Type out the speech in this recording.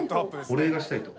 お礼がしたいと。